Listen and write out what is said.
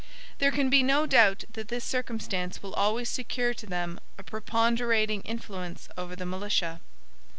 There can be no doubt that this circumstance will always secure to them a preponderating influence over the militia.